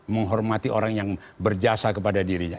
menghormati orang yang berjasa kepada dirinya